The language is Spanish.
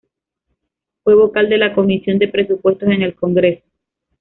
Fue vocal de la Comisión de Presupuestos en el Congreso.